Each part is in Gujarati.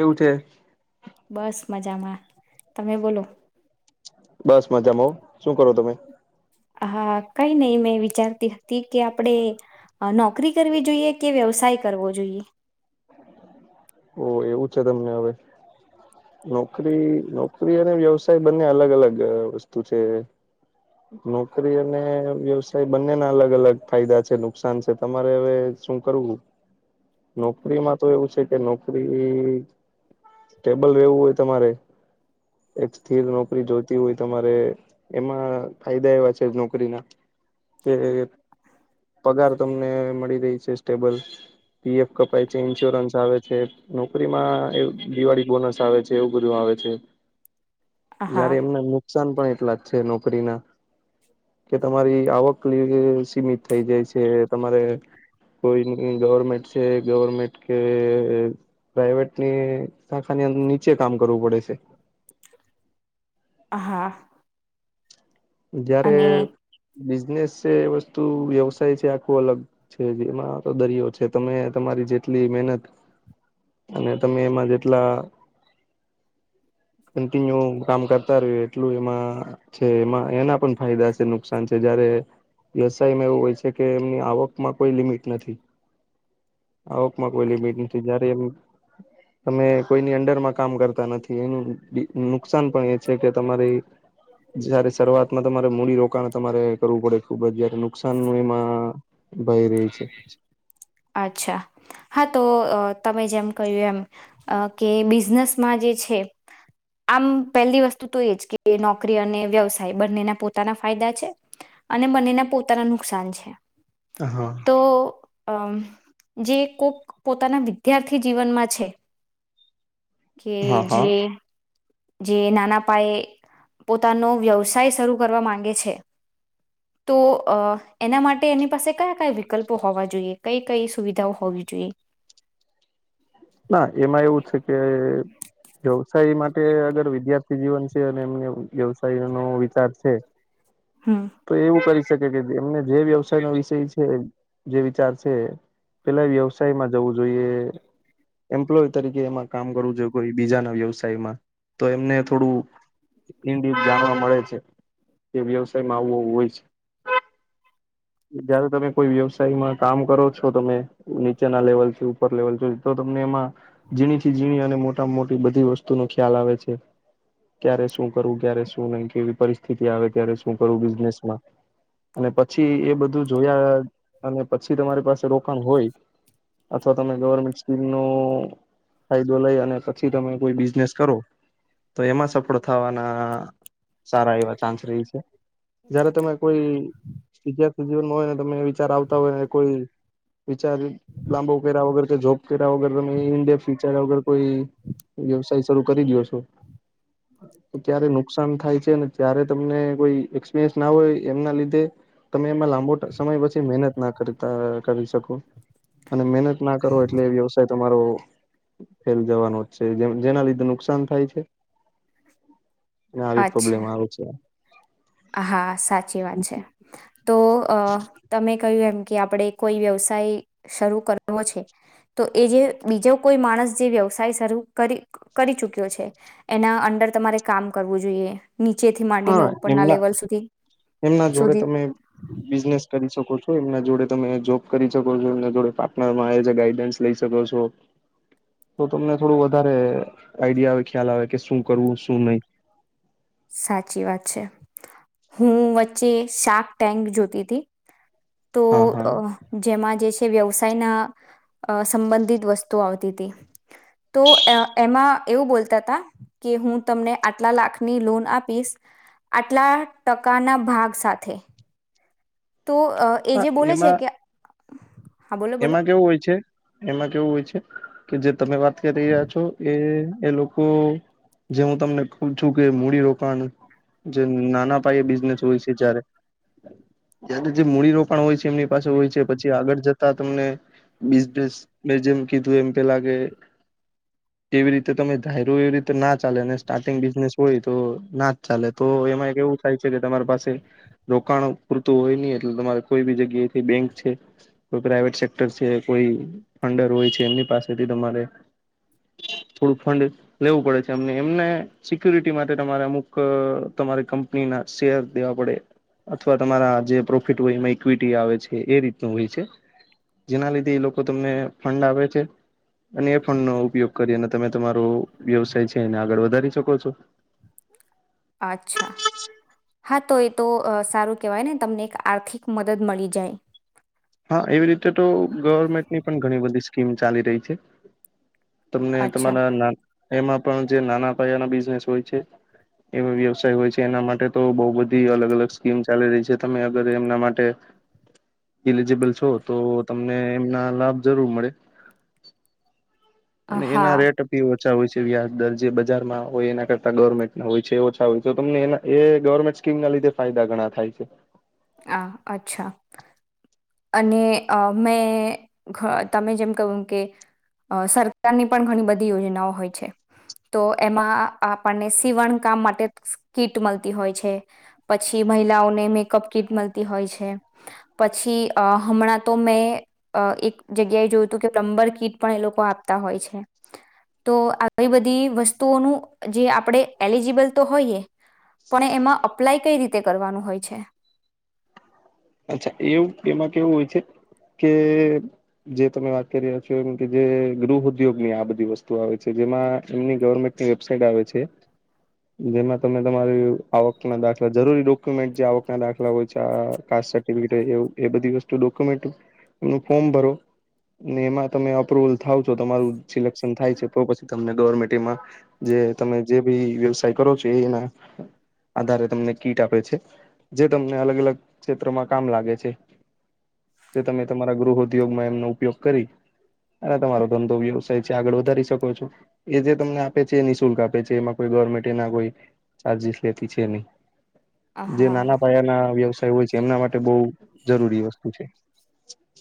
એવું છે બસ મજામાં તમે બોલો બસ મજામાં શું કરો તમે હા કઈ નહી મેં વિચારતી હતી કે આપડે નોકરી કરવી જોઈએ કે વ્યવસાય કરવો જોઈએ? ઓ એવું છે તમને હવે નોકરી નોકરી અને વ્યવસાય બંને અલગ અલગ વસ્તુ છે, નોકરી અને વ્યવસાય બંનેના અલગ અલગ ફાયદા છે, નુકસાન છે તમારે હવે શું કરવું? નોકરીમાં તો એવું છે કે નોકરી સ્ટટેબલ રેવું હોય તમારે એક સ્થિર નોકરી જોતી હોય તમારે એમાં ફાયદા એવા છે, નોકરીના જે પગાર તમને મળી રહી છે, સ્ટેબલ પીએફપ પ ઈન્સ્યોરન્સ આવે છે નોકરીમાં એ દિવાળી બોનસ આવે છે, એવું બધું આવે છે. હા જયારે એમને નુકસાન પણ એટલા જ છે, નોકરીના કે તમારી આવક સીમિત થઈ જાય છે, તમારે કોઈ ન ગવર્મેન્ટ છે, ગવર્મેન્ટ કે પ્રાઈવેટ ની શાખાની અંદર નીચે કામ કરવું પડે છે. [unintelligible] હા જયારે અને બિઝનેસ છે એ વસ્તુ વ્યવસાય છે આખું અલગ છે જેમાં તો દરિયો છે, તમે તમારી જેટલી મનત અને તમે એમાં જેટલા કિન્યુ કામ કરતા રહ્યું એટલું એમાં છે, એમાં એના પણ ફાયદા છે, નુકસાન છે જયારે વ્યવસાયમાં એવું હોય છે, કે એમની આવકમાં કોઈ લિમિટ નથી. આવકમાં કોઈલી બેટ નથી જયારે એમ તમે કોઈની અંડરમાં કામ કરતા નથી, એનું નુકસાન પણ એ છે કે તમારી સારી શરૂઆત માં તમારે મૂડીરોકાણ તમારે કરવું પડે ખુબ જ જયારે નુકસાન ન એમાં ભય ર છે, અચ્છા હા તો તમે જેમ કહ્યું એમ કે બિઝનેસમાં જે છે, આમ પહેલી વસ્તુ તો એ જ કે નોકરી અને વ્યવસાય બંનેના પોતાના ફાયદા છે, અને બંનેના પોતાના નુકસાન છે. હા તો અમ જે કોક પોતાના વિદ્યાર્થી જીવનમાં છે, કે હા હા જે જે નાના પાયે પોતાનો વ્યવસાય શરૂ કરવા માંગે છે, તો અ એના માટે એની પાસે કયા કયા વિકલ્પો હોવા જોઈએ કઈ કઈ સુવિધાઓ હોવી જોઈએ? જોય ના એમાં એવું છે કે, વ્યવસાય માટે અગર વિદ્યાર્થી જીવન છે, અને એમને વ્યવસાય નો વિચાર છે. હમ તો એવું કરી કે એમને જે વ્યવસાય નો વિષય છે જે વિચાર છે, પેલા વ્યવસાય માં જવું જોઈએ, એમ્પ્લોય તરીકે એમાં કામ કરવું જોઈએ, કોઈ બીજાના વ્યવસાયમાં તો એમને થોડું ઇડ જાણવા મળે છે તે વ્યવસાયમાં આવો હોય છે. [unintelligible] જયારે તમે કોઈ વ્યવસાયમાં કામ કરો છો, તમે નીચેના લેવલ થી ઉપર લેવલ છો તો તમને એમાં ઝીણી થી ઝીણી અને મોટા મોટી બધી વસ્તુ નો ખ્યાલ આવે છે, ક્યારે શું કરવું ક્યારે શું નહી કેવી પરિસ્થિતિ આવે ક્યારે શું કરવું, બિઝનેસમાં અને પછી એ બધું જોયા અને પછી તમારી પાસે રોકાણ હોય અથવા તમે ગવર્મેન્ટ સ્મ નો ફાયદો લઈ અને પછી તમે કોઈ બિઝનેસ કરો, તો એમાં સફળ થવાના સારા એવા ચાન્સ રહી છે, જયારે તમે કોઈ વિધા થી જીવન હોય ને તમે વિચાર આવતા હોય ને કોઈ વિચાર લાંબો ઉકેરા વગર કે જોબ ઉકેરા વગર તમે ઇન્ડિયા ફ્યુચર વગર કોઈ વ્યવસાય શરૂ કરી દયો છો ત્યારે નુકસાન થાય છે, ને ત્યારે તમને કોઈ એક્સપિરિયન્સ ના હોય એમના લીધે તમે એમાં લાંબો સમય પછી મહેનત ના કરતા કરી શકો અને મહેનતના કરો એટલે વ્યવસાય તમારો ફેલ જવાનો જ છે, જે જેના લીધે નુકસાન થાય છે. અને આવી પ્રોબ્લેમ અચ્છા આવે છે. હા સાચી વાત છે, તો અ તમે કહ્યું એમ કે આપણે કોઈ વ્યવસાય શરૂ કરવો છે. તો એ જે બીજો કોઈ માણસ જે વ્યવસાય શરૂ કરી કરી ચુક્યો છે, એના અ દર તમારે કામ કરવું જોઈએ નીચેથી માંડીને હા ઉપરના એમના લેવલ સુધી એમના જોડે સુધી તમે બિઝનેસ કરી શકો છો, એમના જોડે તમે જોબ કરી શકો છો, એમના જોડે પાર્ટનરમાં ગાઈડન્સ લઈ શકો છો, તો તમને થોડું વધારે આઈડિયા આવે ખ્યાલ આવે કે શું કરવું શું નય સાચી વાત છે. હું વચ્ચે શાક ટેન્ક જોતી હતી તો હા હા અ જેમાં જે છે, વ્યવસાયના અ સંબંધિત વસ્તુ આવતી હતી તો એમાં એવું બોલતા હતા કે હું તમને આટલા લાખની લોન આપીશ આટલા ટકાના ભાગ સાથે તો અ એ હા જે બોલે છે, એમાં કે હા બોલો બોલો એમાં કેવું હોય છે, એમાં કેવું હોય છે, કે જે તમે વાત કરી રહ્યા છો એ એ લોકો જે હું તમને કવ છું કે મૂડીરોકાણ જે નાના પાયે બિઝનેસ હોય છે, જયારે ત્યારે જે મૂડીરોકાણ હોય છે, એમની પાસે હોય છે, પછી આગળ જ તા તમને બિઝનેસ મે જેમ કીધું એમ પેલા કે કેવી રીતે તમે ધાયરો એવી રીતે ના ચાલે અને સ્ટાર્ટિંગ બિઝનેસ હોય તો ના ચાલે તો એમાં એક એવું થાય છે, કે તમારી પાસે રોકાણો પૂરતું હોય ની એટલે તમારે કોઈ બી જગ્યાથી બેંક છે. કોઈ પ્રાઈવેટ સેક્ટર છે, કોઈ ફંડર હોય છે, એમની પાસેથી તમારે થોડું ફંડ લેવું પડે છે, અમને એમને સિકુરિટી માટે તમારે અમુક તમારે કંપનીના શેર દેવા પડે અથવા તમારા જે પ્રોફિટ હોય એમાં ઇક્વિટી આવે છે એ રીતનું હોય છે. જેના લીધે એ લોકો તમને ફંડ આપે છે. અને એ ફંડનો ઉપયોગ કરીને તમે તમારો વ્યવસાય છે, એને આગળ વધારી શકો છો અચ્છા હા તો એ તો સારું કેહેવાય ને તમને એક આર્થિક મદદ મળી જાય હા એવી રીતે તો ગવર્મેન્ટની પણ ઘણી બધી સ્કીમ ચાલી રહી છે. તમને અચ્છા તમારા એમાં પણ જે નાના પાયાના બિઝનેસ હોય છે. એવા વ્યવસાય હોય છે, એના માટે તો બોવ બધી અલગ અલગ સ્કીમ ચાલી રહી છે, તમે અગર એમના માટે ઈલિજીબલ છો તો તમને એમના લાભ જરૂર મળે અ અને એના હા રેટપીવ ઓછા હોય છે, વ્યાજ દર જે બજારમાં હોય એના કરતા ગવર્મેન્ટના હોય છે, ઓછા હોય તો તમને એના એ ગવર્મેન્ટ સ્કીમના લીધે ફાયદા ઘણા થાય છે. હ અચ્છા અને અ મેં ખ તમે જેમ કહયું કે અ સરકારની પણ ઘણી બધી યોજનાઓ હોય છે. તો એમાં આપણને સીવણ કામ માટે કીટ મળતી હોય છે, પછી મહિલાઓને મેકઅપ કીટ મળતી હોય છે, પછી અ હમણાં તો મેં અ એક જગ્યાએ જોયું હતું કે પ્લમ્બર કીટ પણ એ લોકો આપતા હોય છે. તો આવી બધી વસ્તુઓનું જે આપણેે એલિજીબલ તો હોઈએ પણ એમાં અપ્લાય કઈ રીતે કરવાનું હોય છે અચ્છા એવું એમાં કેવું હોય છે કે જે તમે વાત કરી રહ છો એમ કે જે ગૃહ ઉદ્યોગ ની આ બધી વસ્તુ આવે છે જેમાં એમની ગવર્મેન્ટની વેબસાાઈટ આવે છે જેમાં તમે તમારી આવક ના દાખલા જરૂરી ડોક્યુમેન્ટ જે આવક ના દાખલા હોય છે સટીર્ફિકેટ એવ એ બધી વસ્તુ ડોક્યુમેન્ટ એમ ફોર્મ ભરો ને એમાં તમે અપ્રુવલ થાવ છો તમારું સિલેક્શન થાય છે તો પછી તમને ગવર્મેન્ટમાં જે તમે જે બી વ્યવસાય કરો છો એના આધારે તમને કીટ આપે છે જે તમને અલગ અલગ ક્ષેત્રમાં કામ લાગે છે જે તમે તમારા ગૃહ ઉદ્યોગમાં એમનો ઉપયોગ કરી અને તમારો ધંધો વ્યવસાય છે આગળ વધારી શકો છો એ જે તમને આપે છે એ નિઃશુલ્ક આપે છે એમાં કોઈ ગવર્મેન્ટ એના કોઈ ચાર્જસ લેતી છે નહી જે હા નાના પાયાના વ્યવસાય હોય છે એમના માટે બહ જરૂરી વસ્તુ છે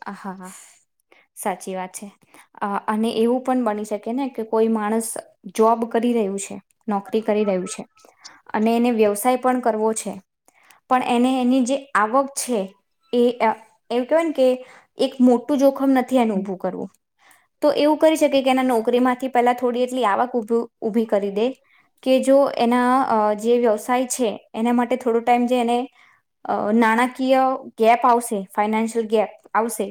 હ હા હા સાચી વાત છે અને એવું પણ બની શકે ને કે કોઈ માણસ જોબ કરી રહ છે નોકરી કરી રહ્યું છે અને એને વ્યવસાય પણ કરવો છે પણ એને એની જે આવક છે એ એવું કેહેવાય ને કે એક મોટું જોખમ નથી એનું ઉભું કરવું તો એવું કરી શકે કે એના નોકરી માંથી પેલા થોડી એટલી આવક ઉભ ઉઊભી કરી દે કે જો એના જે વ્યવસાય છે એના માટે થોડો ટાઈમ જે એને અ નાણાકીય ગેપ આવશે ફાઈનાન્શિયલ ગેપ આવશે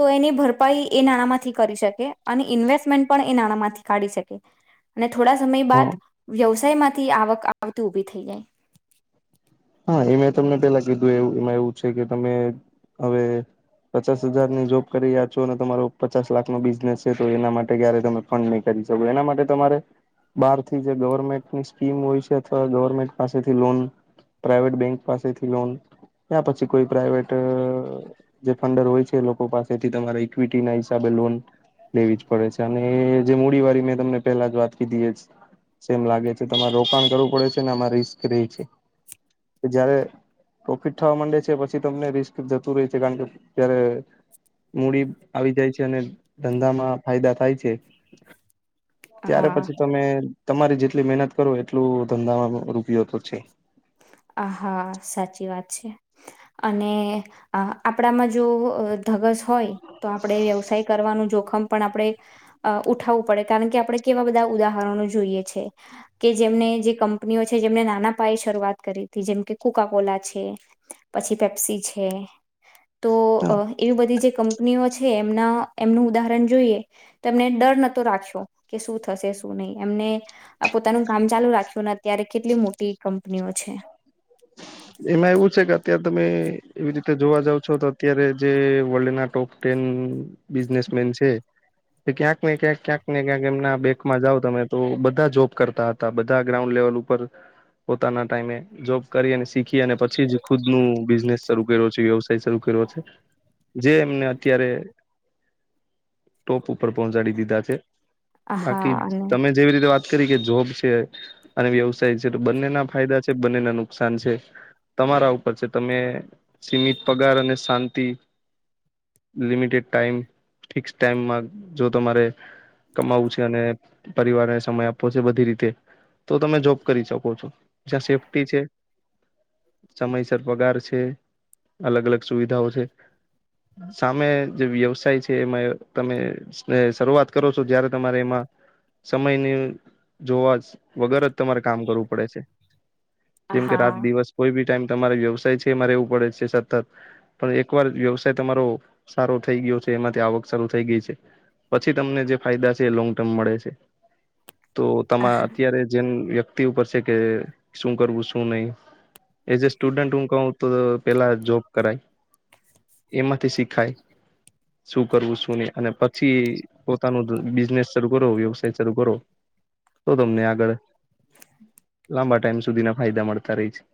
તો એની ભરપાઈ એ નાણાં માંથી કરી શકે અને ઇન્વેસ્ટમેન્ટ પણ એ નાણાંમાંથી કાઢી શકે અને થોડા સમય હ બાદ વ્યવસાયમાં થી આવક આવતી ઉભી થઈ જાય હા એ મે તમને પેલા કીધું એ એમાં એવું છે કે તમે હવે પચાસ હજારની જોબ કરી રહ્યા છો અને તમારો પચાસ લાખનોો બિઝનેસ છે તો એના માટે ક્યારે તમે ફંડ નહીં કરી એના માટે તમારે બહાર થી જે ગવર્મેન્ટની સ્કીમ હોય છે અથવા ગવર્મેન્ટ પાસેથી લોન પ્રાઇવેટ બેંક પાસેથી લોન ત્યા પછી કોઈ પ્રાઇવેટ જે ફંડર હોય છે લોકો પાસે એથી તમારા ઈક્વિટી ના હિસાબે લોન લેવી જ પડે છે અને જે મડી વાળી મેં તમને પેલા જ વાત કધી સેમ લાગે છે તમારે રોકાણ કરવું પડે છે ને આમાં રિસ્ક રે છે જ્યારે પ્રોફિટ થવા માંડે છે પછી તમને રિસ્ક જતું રહે છે કારણ કે જ્યારે મૂડી આવી જાય છે અને ધંધામાં ફાયદા થાય છે ત્યારે પછી હા તો મેમે તમારી જેટલી મહેનત કરો એટલું ધંધામાં રૂપિયો તો છે આ હા સાચી વાત છે અને આપણામાં જો હોય તો આપણેે વ્યવસાય કરવાનું જોખમ પણ આપણે ઉઠાવવું પડે કારણ કે આપણે કેવા બધા ઉદાહરણો જોઈએ છે કે જેમને જે કંપનીઓ છે જેમને નાના પાયે શરૂઆત કરી હતી જેમ કે કુકા કોલા છે પછી પેપ્સી છે તો હા એવી બધી જે કંપનીઓ છે એમના એમનું ઉદાહરણ જોઈએ તો એમને ડર નતો રાખ્યો કે શું થશે ું નહી એમને આ પોતાનું કામ ચાલુ રાખ્યુંને અત્યારે કેટલી મોટી કંપનીઓ છે હ એમાં એવું છે કે અત્યારે તમે એવી રીતે જોવા જાવ છો તો અત્યારે જે વર્લ્ડ ના ટોપ ટેન બિઝનેસમેન છે ક્યાંક ને ક્યાંક ક્યાંક ને ક્યાંક એમના બેંકમાં જાવ તમે તો બધા જોબ કરતા હતા બધા ગ્રાઉન્ડ લે લવલ ઉપર પોતાના ટાઈમે જો કરી અને શીખી અને પછી જ ખુદ નું બિઝનેસ શરૂ કર્યો છે વ્યવસાય શરૂ કર્યો છે. જે એમને અત્યારે ટોપ ઉપર પહોંચાડી દીધા છે. બાકી આહા અને તમે જેવી રીતે વાત કરી જોબ છે અને વ્યવસાય છે તો બંને ના ફાયદા છે બંને ના નુકસાન છે તમારા ઉપર છે તમે સીમિત પગાર અને શાંતિ લિમિટેડ ટાઈમ ફિક્સ ટાઈમમાં જો તમારે કમાવું છે અને પરિવારને સમય આપવો છે બધી રીતે તો તમે જોબ કરી શકો છો જ્યાં સેફ્ટી છે સમયસર પગાર છે અલગ અલગ સુવિધાઓ છે સામે જે વ્યવસાય છે એમાં તમે શરૂઆત કરો છો જયારે તમારે એમાં સમયની જોવા વગર જ તમારે કામ કરવું પડે છે. જેમ કે રાત આહા દિવસ કોઈ બી ટાઈમ તમારે વ્યવસાય છે એમાં રેવું પડે છે સતત પણ એકવાર વ્યવસાય તમારો સારો થઈ ગયો છે એમાંથી આવક સારુ થઈ ગઈ છે પછી તમને જે ફાયદા છે એ લોંગ ટર્મ મળે છે. તો તમા અત્યારે જેમ વ્યક્તિ ઉપર છે કે શું કરવું શું નહી. એઝ એ સ્ટુડન્ટ હું કહું તો પેલા જોબ કરાય એમાંથી શીખાય શું કરવું શું નહી અને પછી પોતાનું બિઝનેસ ચાલુ કરો વ્યવસાય ચાલુ કરો. તો તમને આગળ લાંબા ટાઈમ સુધી ના ફાયદા મળતા રહી છે. [inaudible]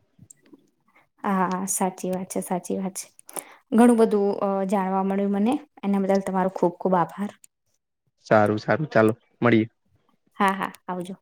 હા સાચી વાત છે સાચી વાત છે. ઘણું બધું અ જાણવા મળ્યું મને એના બદલ તમારો ખુબ ખૂબ આભાર. સારું સારું ચાલો મળીએ. હા હા આવજો.